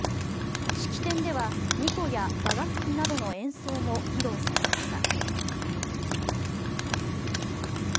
式典では二胡や雅楽器などの演奏も披露されました。